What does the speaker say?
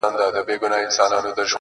چی مات سوي یو زړه ماتي او کمزوري!